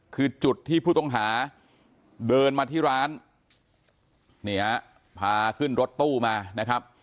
คือจุดที่ผู้ต้องหาเดินมาที่ร้านเนี่ยพาขึ้นรถตู้มานะครับ